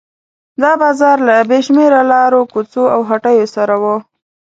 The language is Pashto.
دا بازار له بې شمېره لارو کوڅو او هټیو سره و.